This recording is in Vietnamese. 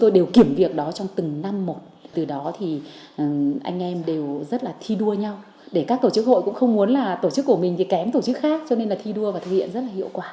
tôi không muốn là tổ chức của mình kém tổ chức khác cho nên là thi đua và thực hiện rất là hiệu quả